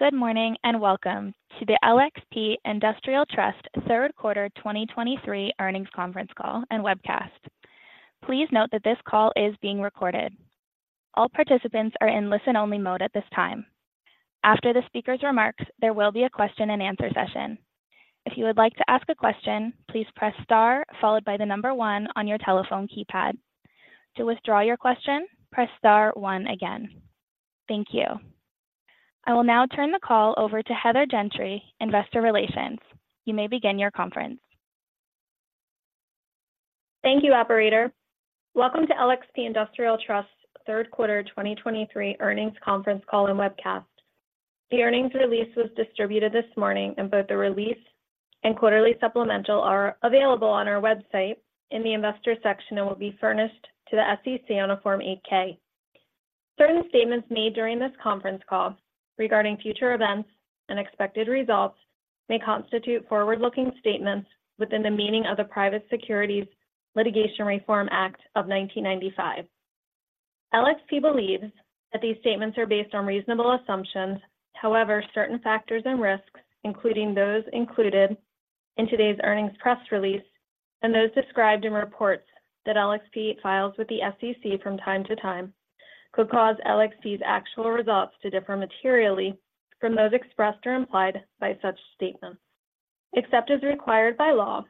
Good morning, and welcome to the LXP Industrial Trust third quarter 2023 Earnings Conference Call and Webcast. Please note that this call is being recorded. All participants are in listen-only mode at this time. After the speaker's remarks, there will be a question and answer session. If you would like to ask a question, please press star followed by the number one on your telephone keypad. To withdraw your question, press star one again. Thank you. I will now turn the call over to Heather Gentry, Investor Relations. You may begin your conference. Thank you, operator. Welcome to LXP Industrial Trust's Third Quarter 2023 Earnings Conference Call and Webcast. The earnings release was distributed this morning, and both the release and quarterly supplemental are available on our website in the investor section and will be furnished to the SEC on a Form 8-K. Certain statements made during this conference call regarding future events and expected results may constitute forward-looking statements within the meaning of the Private Securities Litigation Reform Act of 1995. LXP believes that these statements are based on reasonable assumptions. However, certain factors and risks, including those included in today's earnings press release and those described in reports that LXP files with the SEC from time to time, could cause LXP's actual results to differ materially from those expressed or implied by such statements. Except as required by law,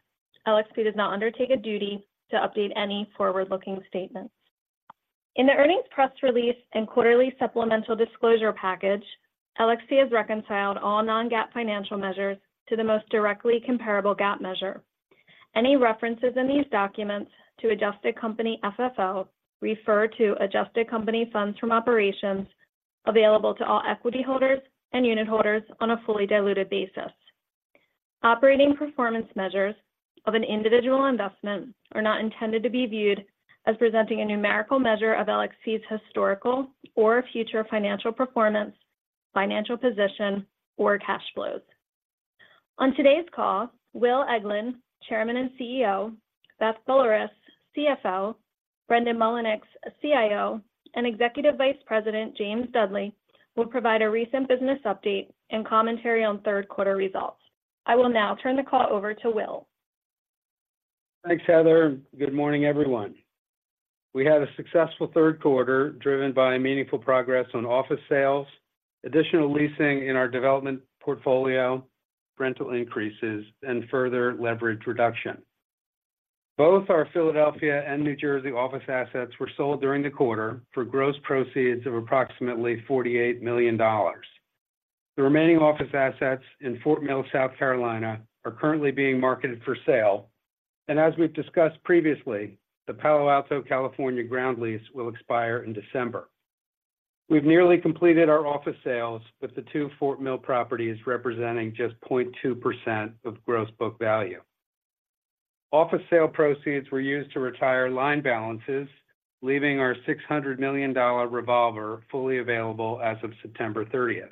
LXP does not undertake a duty to update any forward-looking statements. In the earnings press release and quarterly supplemental disclosure package, LXP has reconciled all non-GAAP financial measures to the most directly comparable GAAP measure. Any references in these documents to adjusted company FFO refer to adjusted company funds from operations available to all equity holders and unit holders on a fully diluted basis. Operating performance measures of an individual investment are not intended to be viewed as presenting a numerical measure of LXP's historical or future financial performance, financial position, or cash flows. On today's call, Will Eglin, Chairman and CEO, Beth Boulerice, CFO, Brendan Mullinix, CIO, and Executive Vice President James Dudley will provide a recent business update and commentary on third quarter results. I will now turn the call over to Will. Thanks, Heather, and good morning, everyone. We had a successful third quarter, driven by meaningful progress on office sales, additional leasing in our development portfolio, rental increases, and further leverage reduction. Both our Philadelphia and New Jersey office assets were sold during the quarter for gross proceeds of approximately $48 million. The remaining office assets in Fort Mill, South Carolina, are currently being marketed for sale, and as we've discussed previously, the Palo Alto, California, ground lease will expire in December. We've nearly completed our office sales, with the two Fort Mill properties representing just 0.2% of gross book value. Office sale proceeds were used to retire line balances, leaving our $600 million revolver fully available as of September 30.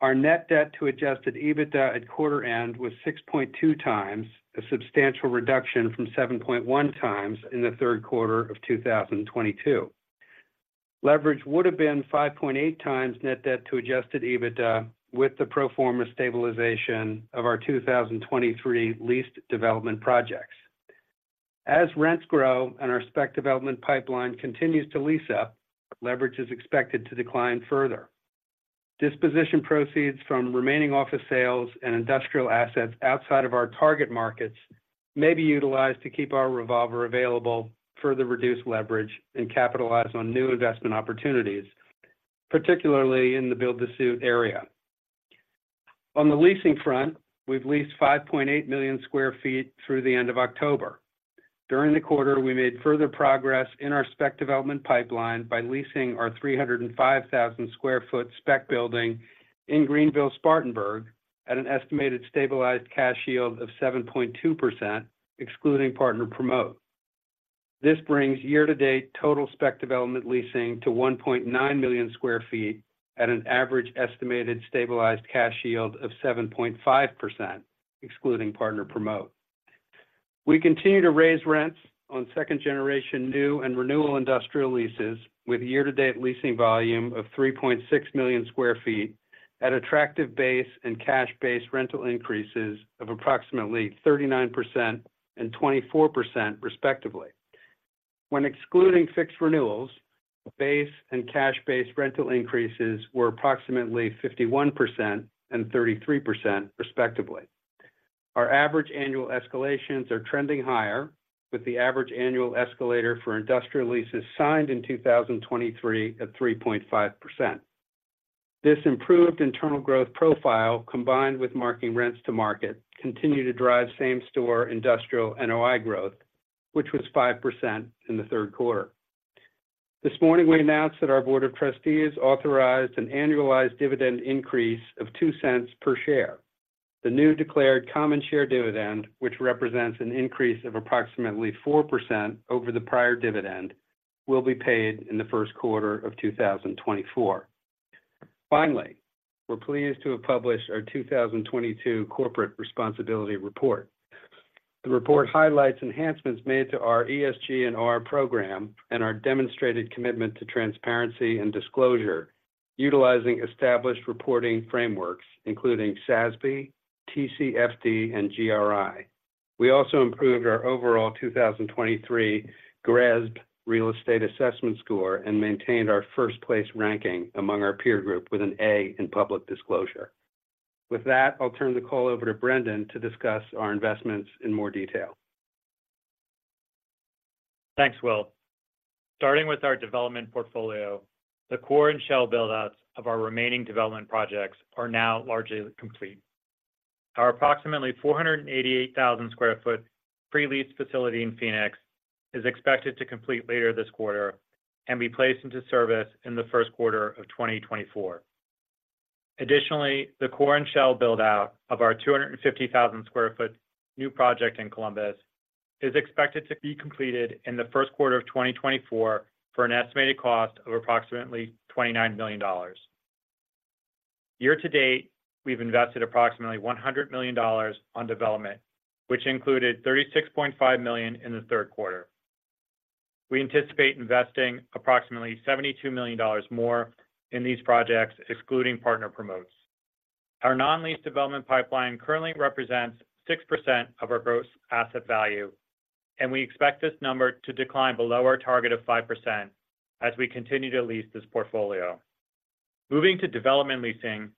Our net debt to Adjusted EBITDA at quarter end was 6.2x, a substantial reduction from 7.1x in the third quarter of 2022. Leverage would have been 5.8x net debt to Adjusted EBITDA, with the pro forma stabilization of our 2023 leased development projects. As rents grow and our spec development pipeline continues to lease up, leverage is expected to decline further. Disposition proceeds from remaining office sales and industrial assets outside of our target markets may be utilized to keep our revolver available, further reduce leverage, and capitalize on new investment opportunities, particularly in the build-to-suit area. On the leasing front, we've leased 5.8 million sq ft through the end of October. During the quarter, we made further progress in our spec development pipeline by leasing our 305,000 sq ft spec building in Greenville-Spartanburg at an estimated stabilized cash yield of 7.2%, excluding partner promote. This brings year-to-date total spec development leasing to 1.9 million sq ft at an average estimated stabilized cash yield of 7.5%, excluding partner promote. We continue to raise rents on second-generation, new, and renewal industrial leases, with year-to-date leasing volume of 3.6 million sq ft at attractive base and cash-based rental increases of approximately 39% and 24% respectively. When excluding fixed renewals, base and cash-based rental increases were approximately 51% and 33%, respectively. Our average annual escalations are trending higher, with the average annual escalator for industrial leases signed in 2023 at 3.5%. This improved internal growth profile, combined with marking rents to market, continue to drive same-store industrial NOI growth, which was 5% in the third quarter. This morning, we announced that our board of trustees authorized an annualized dividend increase of $0.02 per share. The new declared common share dividend, which represents an increase of approximately 4% over the prior dividend, will be paid in the first quarter of 2024. Finally, we're pleased to have published our 2022 Corporate Responsibility Report. The report highlights enhancements made to our ESG+R program and our demonstrated commitment to transparency and disclosure, utilizing established reporting frameworks, including SASB, TCFD, and GRI. We also improved our overall 2023 GRESB Real Estate Assessment score and maintained our first-place ranking among our peer group with an A in public disclosure. With that, I'll turn the call over to Brendan to discuss our investments in more detail. Thanks, Will. Starting with our development portfolio, the core and shell build-outs of our remaining development projects are now largely complete. Our approximately 488,000 sq ft pre-leased facility in Phoenix is expected to complete later this quarter and be placed into service in the first quarter of 2024. Additionally, the core and shell build-out of our 250,000 sq ft new project in Columbus is expected to be completed in the first quarter of 2024 for an estimated cost of approximately $29 million. Year-to-date, we've invested approximately $100 million on development, which included $36.5 million in the third quarter. We anticipate investing approximately $72 million more in these projects, excluding partner promotes. Our non-lease development pipeline currently represents 6% of our gross asset value, and we expect this number to decline below our target of 5% as we continue to lease this portfolio. Moving to development leasing,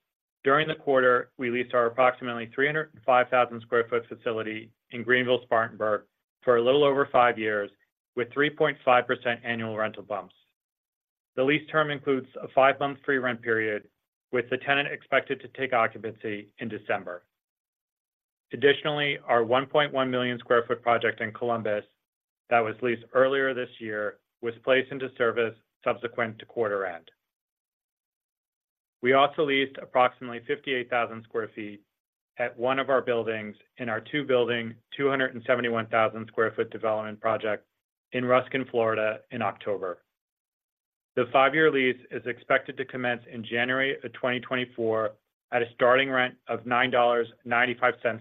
during the quarter, we leased our approximately 305,000 sq ft facility in Greenville-Spartanburg for a little over five years, with 3.5 annual rental bumps. The lease term includes a five-month free rent period, with the tenant expected to take occupancy in December. Additionally, our 1.1 million sq ft project in Columbus that was leased earlier this year, was placed into service subsequent to quarter end. We also leased approximately 58,000 sq ft at one of our buildings in our two-building, 271,000 sq ft development project in Ruskin, Florida in October. The five-year lease is expected to commence in January of 2024 at a starting rent of $9.95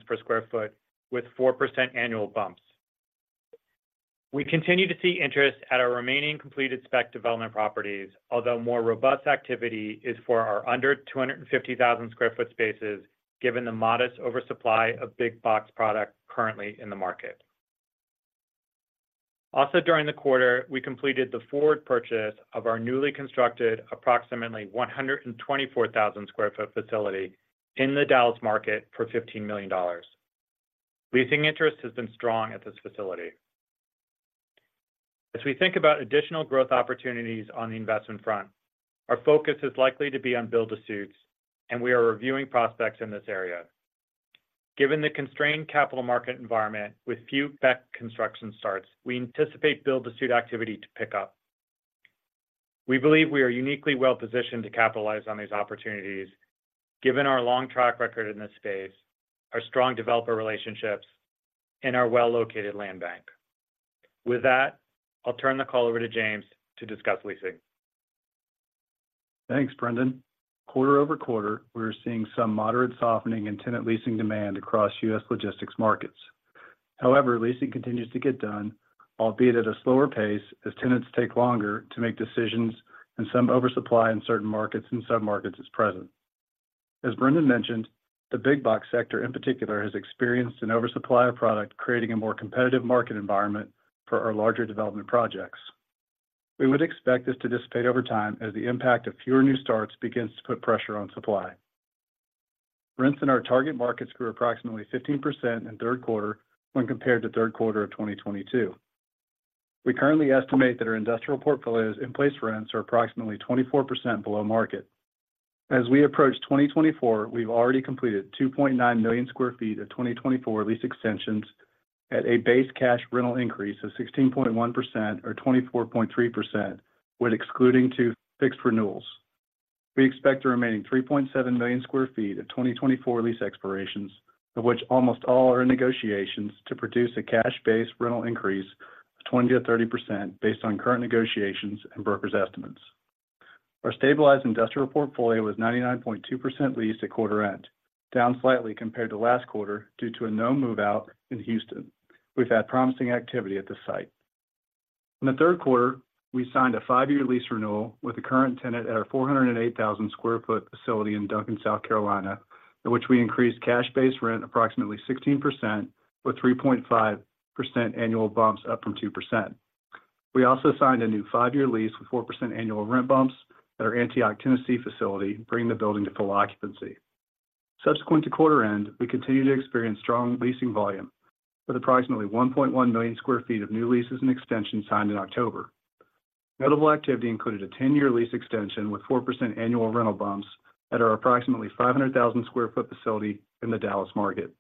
per sq ft, with 4% annual bumps. We continue to see interest at our remaining completed spec development properties, although more robust activity is for our under 250,000 sq ft spaces, given the modest oversupply of big box product currently in the market. Also, during the quarter, we completed the forward purchase of our newly constructed approximately 124,000 sq ft facility in the Dallas market for $15 million. Leasing interest has been strong at this facility. As we think about additional growth opportunities on the investment front, our focus is likely to be on build-to-suits, and we are reviewing prospects in this area. Given the constrained capital market environment with few spec construction starts, we anticipate build-to-suit activity to pick up. We believe we are uniquely well positioned to capitalize on these opportunities, given our long track record in this space, our strong developer relationships, and our well-located land bank. With that, I'll turn the call over to James to discuss leasing. Thanks, Brendan. Quarter-over-quarter, we are seeing some moderate softening in tenant leasing demand across U.S. logistics markets. However, leasing continues to get done, albeit at a slower pace, as tenants take longer to make decisions and some oversupply in certain markets and submarkets is present. As Brendan mentioned, the big box sector, in particular, has experienced an oversupply of product, creating a more competitive market environment for our larger development projects. We would expect this to dissipate over time as the impact of fewer new starts begins to put pressure on supply. Rents in our target markets grew approximately 15% in the third quarter when compared to the third quarter of 2022. We currently estimate that our industrial portfolios in-place rents are approximately 24% below market. As we approach 2024, we've already completed 2.9 million sq ft of 2024 lease extensions at a base cash rental increase of 16.1% or 24.3%, when excluding two fixed renewals. We expect the remaining 3.7 million sq ft of 2024 lease expirations, of which almost all are in negotiations, to produce a cash-based rental increase of 20%-30% based on current negotiations and brokers' estimates. Our stabilized industrial portfolio was 99.2% leased at quarter end, down slightly compared to last quarter due to a move-out in Houston. We've had promising activity at this site. In the third quarter, we signed a five-year lease renewal with the current tenant at our 408,000 sq ft facility in Duncan, South Carolina, in which we increased cash base rent approximately 16%, with 3.5% annual bumps up from 2%. We also signed a new five-year lease with 4% annual rent bumps at our Antioch, Tennessee, facility, bringing the building to full occupancy. Subsequent to quarter end, we continue to experience strong leasing volume with approximately 1.1 million sq ft of new leases and extensions signed in October. Notable activity included a 10-year lease extension with 4% annual rental bumps at our approximately 500,000 sq ft facility in the Dallas market.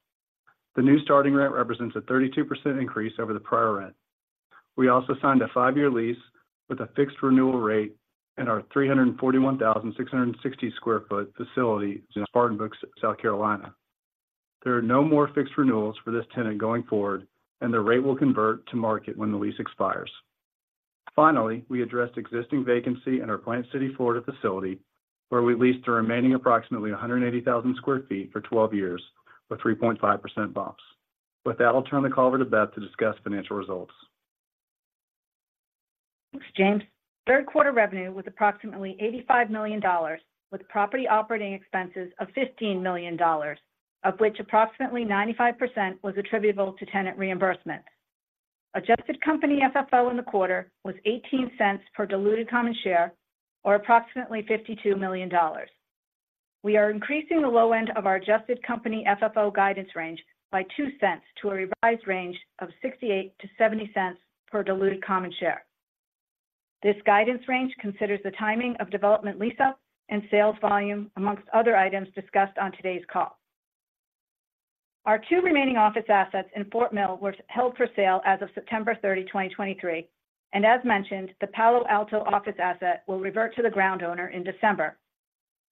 The new starting rent represents a 32% increase over the prior rent. We also signed a five-year lease with a fixed renewal rate in our 341,660 sq ft facility in Spartanburg, South Carolina. There are no more fixed renewals for this tenant going forward, and the rate will convert to market when the lease expires.... Finally, we addressed existing vacancy in our Plant City, Florida facility, where we leased the remaining approximately 180,000 sq ft for 12 years, with 3.5% bumps. With that, I'll turn the call over to Beth to discuss financial results. Thanks, James. Third quarter revenue was approximately $85 million, with property operating expenses of $15 million, of which approximately 95% was attributable to tenant reimbursement. Adjusted Company FFO in the quarter was $0.18 per diluted common share, or approximately $52 million. We are increasing the low end of our Adjusted Company FFO guidance range by $0.02, to a revised range of $0.68-$0.70 per diluted common share. This guidance range considers the timing of development lease up and sales volume, amongst other items discussed on today's call. Our two remaining office assets in Fort Mill were held for sale as of September 30, 2023, and as mentioned, the Palo Alto office asset will revert to the ground owner in December.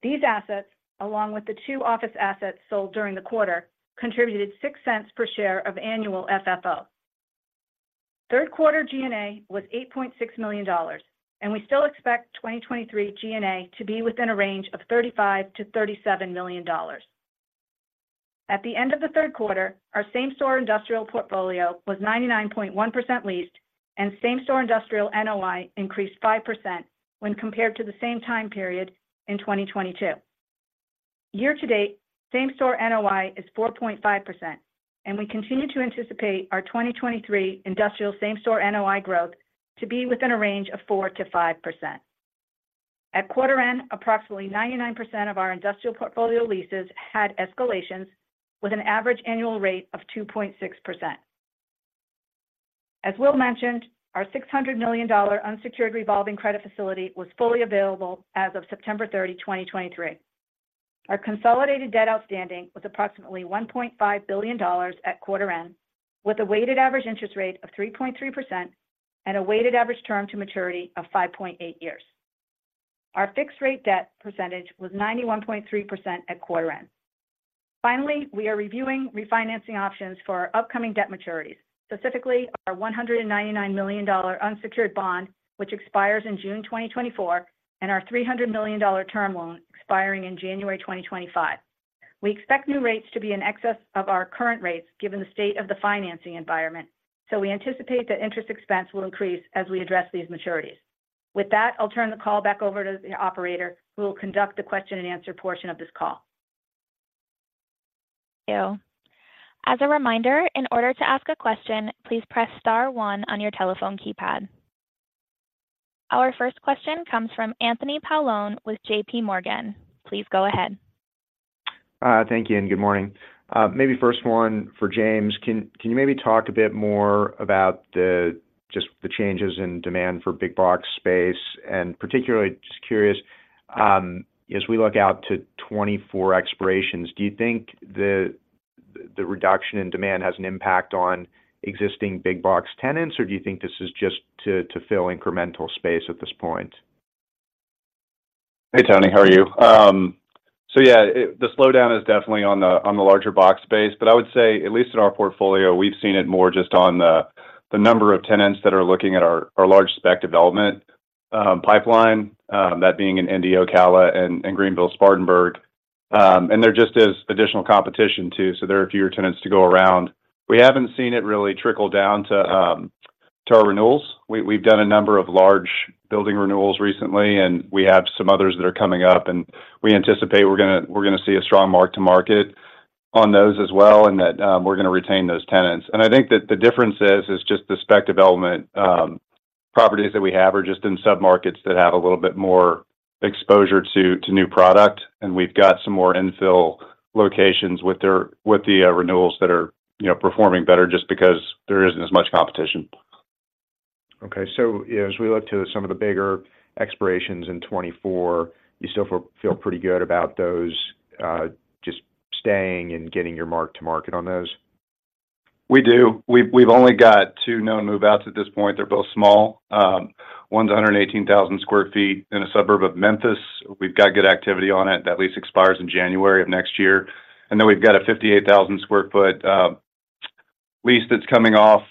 These assets, along with the two office assets sold during the quarter, contributed $0.06 per share of annual FFO. Third quarter G&A was $8.6 million, and we still expect 2023 G&A to be within a range of $35 million-$37 million. At the end of the third quarter, our same-store industrial portfolio was 99.1% leased, and same-store industrial NOI increased 5% when compared to the same time period in 2022. Year to date, same-store NOI is 4.5%, and we continue to anticipate our 2023 industrial same-store NOI growth to be within a range of 4%-5%. At quarter end, approximately 99% of our industrial portfolio leases had escalations, with an average annual rate of 2.6%. As Will mentioned, our $600 million unsecured revolving credit facility was fully available as of September 30, 2023. Our consolidated debt outstanding was approximately $1.5 billion at quarter end, with a weighted average interest rate of 3.3% and a weighted average term to maturity of 5.8 years. Our fixed rate debt percentage was 91.3% at quarter end. Finally, we are reviewing refinancing options for our upcoming debt maturities, specifically our $199 million unsecured bond, which expires in June 2024, and our $300 million term loan, expiring in January 2025. We expect new rates to be in excess of our current rates, given the state of the financing environment, so we anticipate that interest expense will increase as we address these maturities. With that, I'll turn the call back over to the operator, who will conduct the question and answer portion of this call. Thank you. As a reminder, in order to ask a question, please press star one on your telephone keypad. Our first question comes from Anthony Paolone with JPMorgan. Please go ahead. Thank you, and good morning. Maybe first one for James. Can you maybe talk a bit more about the, just the changes in demand for big box space? And particularly, just curious, as we look out to 2024 expirations, do you think the reduction in demand has an impact on existing big box tenants, or do you think this is just to fill incremental space at this point? Hey, Tony, how are you? So yeah, the slowdown is definitely on the larger box space, but I would say, at least in our portfolio, we've seen it more just on the number of tenants that are looking at our large spec development pipeline, that being in Indy, Ocala, and Greenville-Spartanburg. And they're just as additional competition too, so there are fewer tenants to go around. We haven't seen it really trickle down to our renewals. We've done a number of large building renewals recently, and we have some others that are coming up, and we anticipate we're gonna—we're gonna see a strong mark to market on those as well, and that we're gonna retain those tenants. And I think that the difference is just the spec development. Properties that we have are just in submarkets that have a little bit more exposure to new product, and we've got some more infill locations with the renewals that are, you know, performing better just because there isn't as much competition. Okay. So, yeah, as we look to some of the bigger expirations in 2024, you still feel pretty good about those just staying and getting your mark to market on those? We do. We've only got two known move-outs at this point. They're both small. One's 118,000 sq ft in a suburb of Memphis. We've got good activity on it. That lease expires in January of next year. And then we've got a 58,000 sq ft lease that's coming off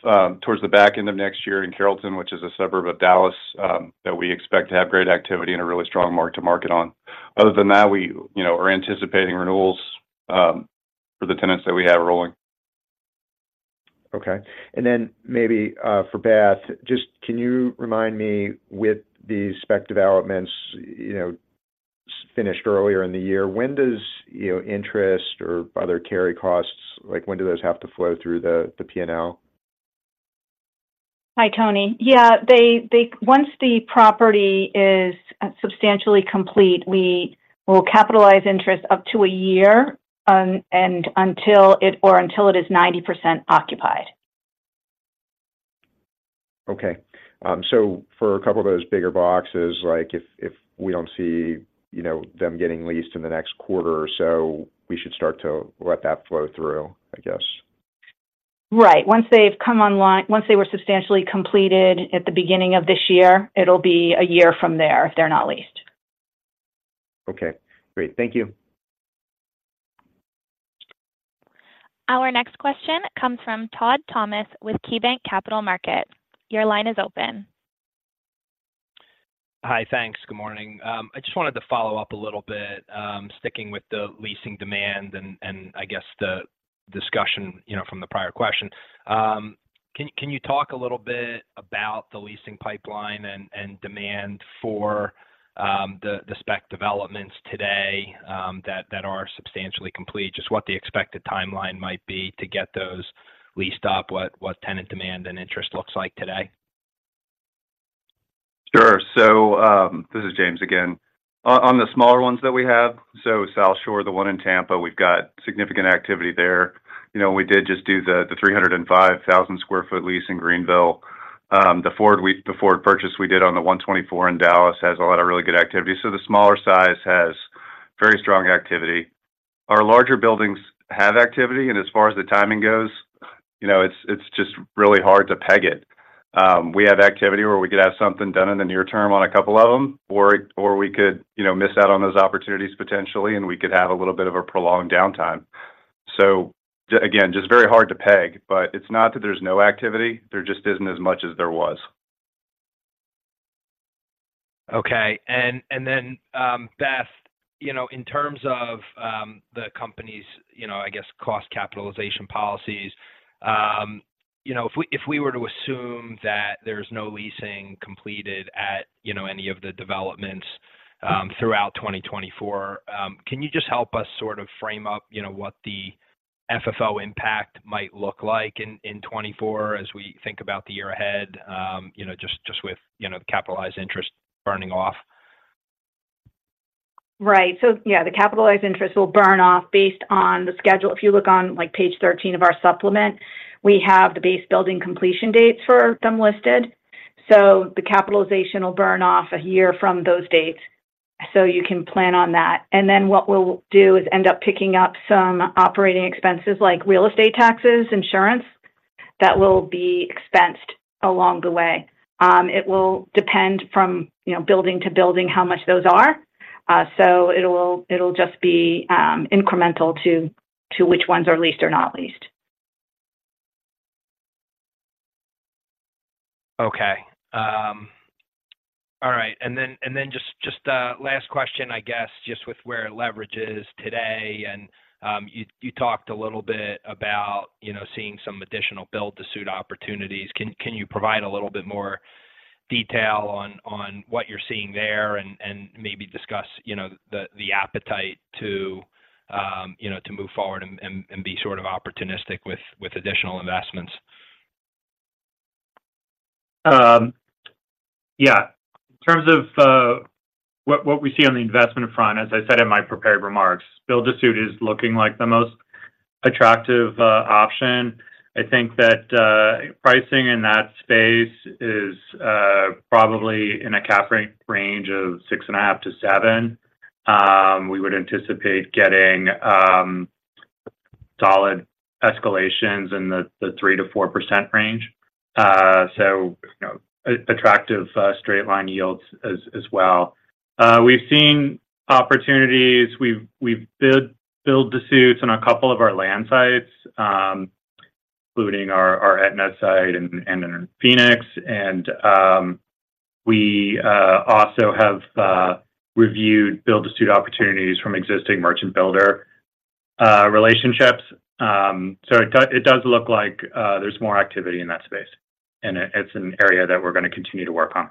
towards the back end of next year in Carrollton, which is a suburb of Dallas, that we expect to have great activity and a really strong mark to market on. Other than that, we, you know, are anticipating renewals for the tenants that we have rolling. Okay. And then maybe, for Beth, just can you remind me, with the spec developments, you know, finished earlier in the year, when does, you know, interest or other carry costs, like, when do those have to flow through the P&L? Hi, Tony. Yeah, they, they. Once the property is substantially complete, we will capitalize interest up to a year, and until it or until it is 90% occupied. Okay. So for a couple of those bigger boxes, like if we don't see, you know, them getting leased in the next quarter or so, we should start to let that flow through, I guess. Right. Once they were substantially completed at the beginning of this year, it'll be a year from there if they're not leased. Okay, great. Thank you. ... Our next question comes from Todd Thomas with KeyBanc Capital Markets. Your line is open. Hi. Thanks. Good morning. I just wanted to follow up a little bit, sticking with the leasing demand and I guess the discussion, you know, from the prior question. Can you talk a little bit about the leasing pipeline and demand for the spec developments today that are substantially complete? Just what the expected timeline might be to get those leased up, what tenant demand and interest looks like today. Sure. So, this is James again. On the smaller ones that we have, so South Shore, the one in Tampa, we've got significant activity there. You know, we did just do the 305,000 sq ft lease in Greenville. The forward purchase we did on the 124 in Dallas has a lot of really good activity. So the smaller size has very strong activity. Our larger buildings have activity, and as far as the timing goes, you know, it's just really hard to peg it. We have activity where we could have something done in the near term on a couple of them, or we could, you know, miss out on those opportunities potentially, and we could have a little bit of a prolonged downtime. So again, just very hard to peg, but it's not that there's no activity, there just isn't as much as there was. Okay. And then, Beth, you know, in terms of the company's, you know, I guess, cost capitalization policies, you know, if we, if we were to assume that there's no leasing completed at, you know, any of the developments, throughout 2024, can you just help us sort of frame up, you know, what the FFO impact might look like in 2024 as we think about the year ahead? You know, just with the capitalized interest burning off. Right. So yeah, the capitalized interest will burn off based on the schedule. If you look on, like, Page 13 of our supplement, we have the base building completion dates for them listed. So the capitalization will burn off a year from those dates, so you can plan on that. And then what we'll do is end up picking up some operating expenses like real estate taxes, insurance, that will be expensed along the way. It will depend from, you know, building to building, how much those are. So it'll just be incremental to which ones are leased or not leased. Okay. All right. And then, and then just, just a last question, I guess, just with where leverage is today, and, you, you talked a little bit about, you know, seeing some additional build-to-suit opportunities. Can, can you provide a little bit more detail on, on what you're seeing there and, and maybe discuss, you know, the, the appetite to, you know, to move forward and, and, and be sort of opportunistic with, with additional investments? In terms of what we see on the investment front, as I said in my prepared remarks, build-to-suit is looking like the most attractive option. I think that pricing in that space is probably in a cap range of 6.5-7. We would anticipate getting solid escalations in the 3%-4% range. So, you know, attractive straight line yields as well. We've seen opportunities. We've built build-to-suits on a couple of our land sites, including our Aetna site and in Phoenix. We also have reviewed build-to-suit opportunities from existing merchant builder relationships. So it does look like there's more activity in that space, and it's an area that we're gonna continue to work on.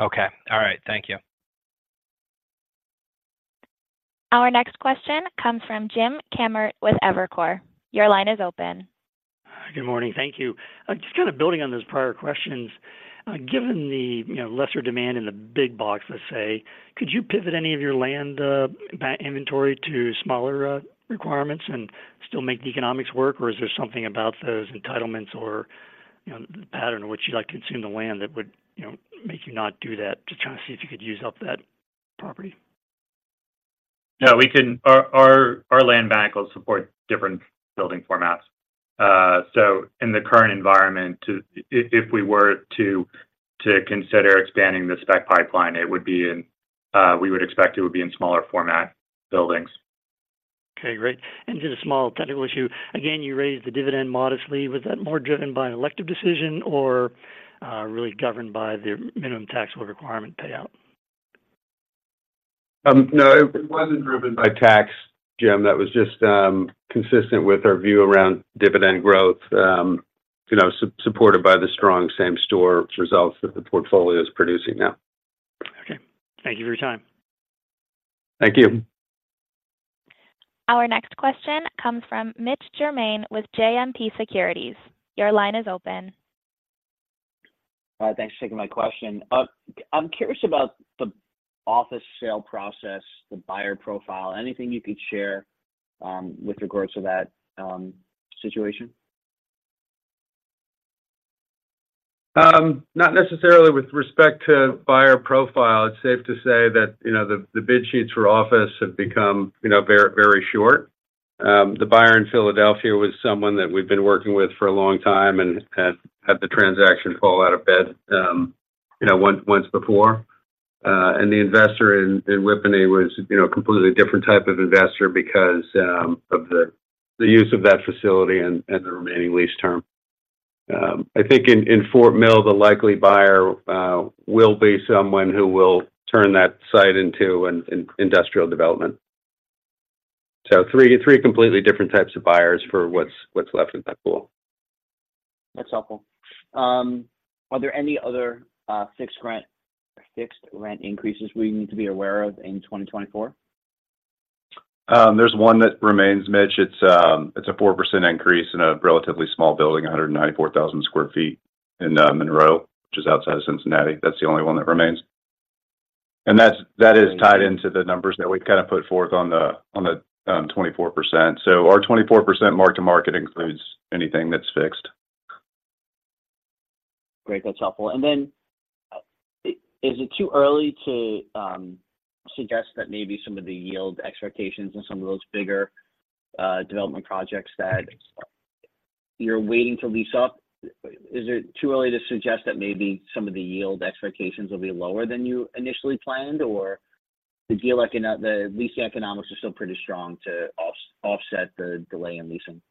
Okay. All right. Thank you. Our next question comes from Jim Kammert with Evercore. Your line is open. Good morning. Thank you. Just kind of building on those prior questions, given the, you know, lesser demand in the big box, let's say, could you pivot any of your land, inventory to smaller, requirements and still make the economics work? Or is there something about those entitlements or, you know, the pattern in which you, like, consume the land that would, you know, make you not do that? Just trying to see if you could use up that property. No, we can. Our land bank will support different building formats. So in the current environment, if we were to consider expanding the spec pipeline, it would be in. We would expect it would be in smaller format buildings. Okay, great. Just a small technical issue. Again, you raised the dividend modestly. Was that more driven by an elective decision or, really governed by the minimum taxable requirement payout? No, it wasn't driven by tax, Jim. That was just consistent with our view around dividend growth, you know, supported by the strong same-store results that the portfolio is producing now. Okay. Thank you for your time. Thank you. Our next question comes from Mitch Germain with JMP Securities. Your line is open. Thanks for taking my question. I'm curious about the office sale process, the buyer profile. Anything you could share, with regards to that, situation? Not necessarily with respect to buyer profile. It's safe to say that, you know, the bid sheets for office have become, you know, very, very short.... The buyer in Philadelphia was someone that we've been working with for a long time and had the transaction fall out of bed, you know, once before. And the investor in Whippany was, you know, a completely different type of investor because of the use of that facility and the remaining lease term. I think in Fort Mill, the likely buyer will be someone who will turn that site into an industrial development. So three completely different types of buyers for what's left in that pool. That's helpful. Are there any other fixed rent increases we need to be aware of in 2024? There's one that remains, Mitch. It's, it's a 4% increase in a relatively small building, 194,000 sq ft in Monroe, which is outside of Cincinnati. That's the only one that remains. And that is tied into the numbers that we've kind of put forth on the 24%. So our 24% mark to market includes anything that's fixed. Great. That's helpful. And then, is it too early to suggest that maybe some of the yield expectations in some of those bigger development projects that you're waiting to lease up? Is it too early to suggest that maybe some of the yield expectations will be lower than you initially planned, or do you feel like the lease economics are still pretty strong to offset the delay in leasing?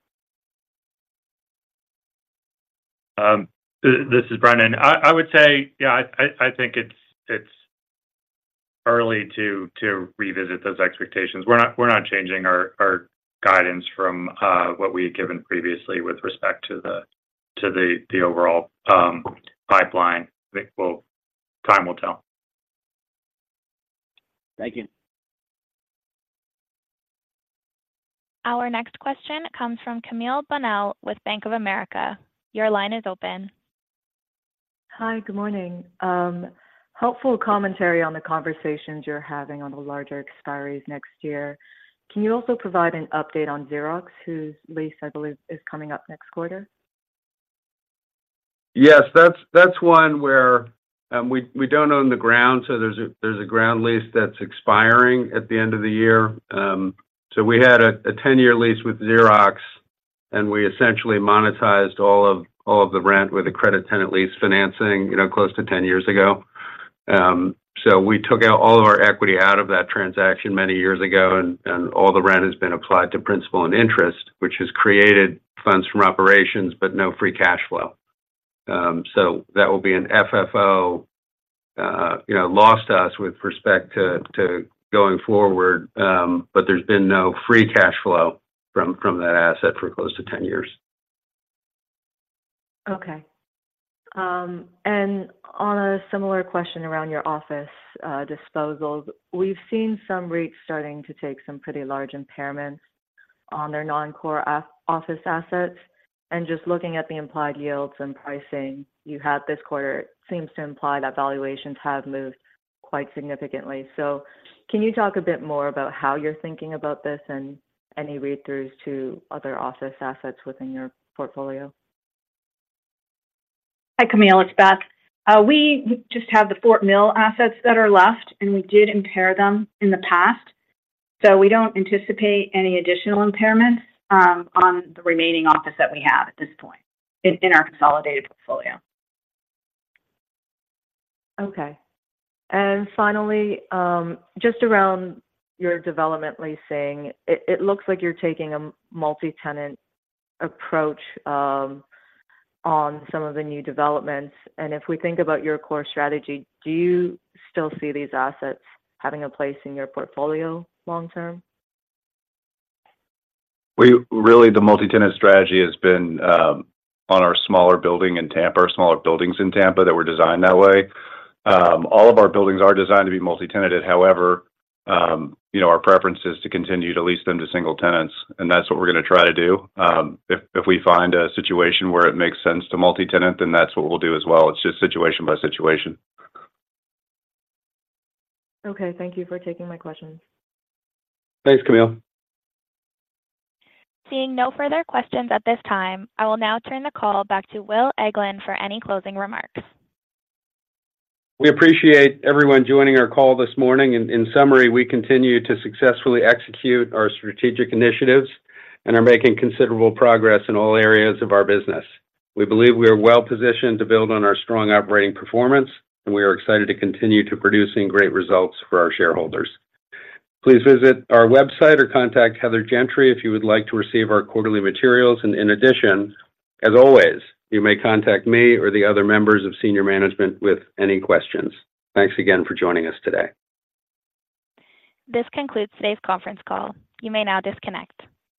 This is Brendan. I would say, yeah, I think it's early to revisit those expectations. We're not changing our guidance from what we had given previously with respect to the overall pipeline. I think, well, time will tell. Thank you. Our next question comes from Camille Bonnel with Bank of America. Your line is open. Hi, good morning. Helpful commentary on the conversations you're having on the larger expiries next year. Can you also provide an update on Xerox, whose lease, I believe, is coming up next quarter? Yes. That's one where we don't own the ground, so there's a ground lease that's expiring at the end of the year. So we had a 10-year lease with Xerox, and we essentially monetized all of the rent with a credit tenant lease financing, you know, close to 10 years ago. So we took out all of our equity out of that transaction many years ago, and all the rent has been applied to principal and interest, which has created funds from operations, but no free cash flow. So that will be an FFO loss to us with respect to going forward. But there's been no free cash flow from that asset for close to 10 years. Okay. On a similar question around your office disposals, we've seen some REITs starting to take some pretty large impairments on their non-core office assets. Just looking at the implied yields and pricing you had this quarter seems to imply that valuations have moved quite significantly. So can you talk a bit more about how you're thinking about this and any read-throughs to other office assets within your portfolio? Hi, Camille, it's Beth. We just have the Fort Mill assets that are left, and we did impair them in the past, so we don't anticipate any additional impairment on the remaining office that we have at this point in our consolidated portfolio. Okay. And finally, just around your development leasing, it looks like you're taking a multi-tenant approach on some of the new developments. And if we think about your core strategy, do you still see these assets having a place in your portfolio long term? Really, the multi-tenant strategy has been on our smaller building in Tampa, our smaller buildings in Tampa that were designed that way. All of our buildings are designed to be multi-tenanted. However, you know, our preference is to continue to lease them to single tenants, and that's what we're gonna try to do. If, if we find a situation where it makes sense to multi-tenant, then that's what we'll do as well. It's just situation by situation. Okay. Thank you for taking my questions. Thanks, Camille. Seeing no further questions at this time, I will now turn the call back to Will Eglin for any closing remarks. We appreciate everyone joining our call this morning. In summary, we continue to successfully execute our strategic initiatives and are making considerable progress in all areas of our business. We believe we are well positioned to build on our strong operating performance, and we are excited to continue to producing great results for our shareholders. Please visit our website or contact Heather Gentry if you would like to receive our quarterly materials. In addition, as always, you may contact me or the other members of senior management with any questions. Thanks again for joining us today. This concludes today's conference call. You may now disconnect.